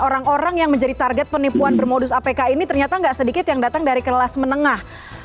orang orang yang menjadi target penipuan bermodus apk ini ternyata nggak sedikit yang datang dari kelas menengah